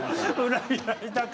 「裏切られた感」！